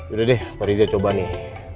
udah deh pak rija coba nih